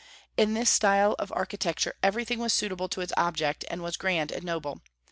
In this style of architecture everything was suitable to its object, and was grand and noble.